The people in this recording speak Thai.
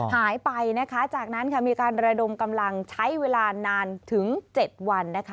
หายไปจากนั้นมีการระดมกำลังใช้เวลานานถึง๗วัน